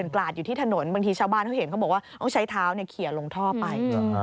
บางทีชาวบ้านเขาเห็นเขาบอกว่าต้องใช้เท้าเขี่ยลงท่อไป